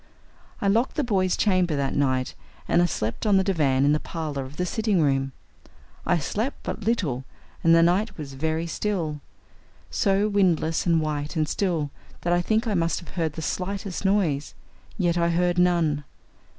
I locked the boys' chamber that night, and I slept on the divan in the parlor off the sitting room. I slept but little, and the night was very still so windless and white and still that I think I must have heard the slightest noise. Yet I heard none.